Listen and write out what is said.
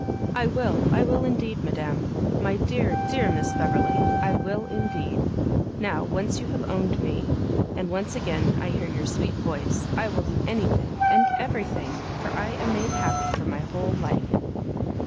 "I will, I will indeed, madam! my dear, dear Miss Beverley, I will indeed! now once you have owned me, and once again I hear your sweet voice, I will do any thing, and every thing, for I am made happy for my whole life!"